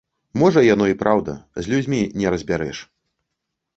Можа яно і праўда, з людзьмі не разбярэш.